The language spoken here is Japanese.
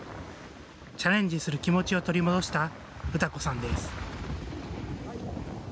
チャレンジする気持ちを取り戻した詩子さんです。